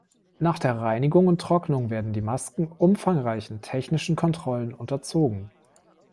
Nach der Reinigung und Trocknung werden die Masken umfangreichen technischen Kontrollen unterzogen.